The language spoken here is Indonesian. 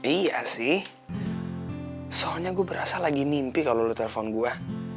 iya sih soalnya gue berasa lagi mimpi kalo lo telfon gue